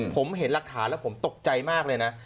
ผมเห็นหลักฐานแล้วผมตกใจมากเลยนะ